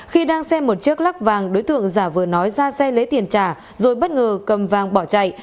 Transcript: khi đang xem một chiếc lắc vàng đối tượng giả vừa nói ra xe lấy tiền trả rồi bất ngờ cầm vàng bỏ chạy